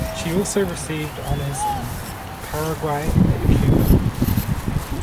She also received honors in Paraguay and Cuba.